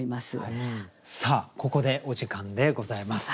さあここでお時間でございます。